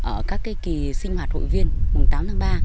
ở các cái kỳ sinh hoạt hội viên mùng tám tháng ba